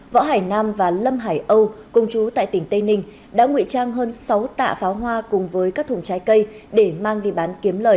võ hải nam và lâm hải âu công chú tại tỉnh tây ninh đã nguyện trang hơn sáu tạ pháo hoa cùng với các thùng trái cây để mang đi bán kiếm lời